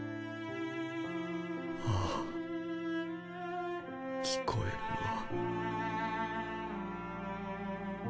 あぁ聞こえるわ。